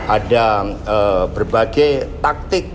ada berbagai taktik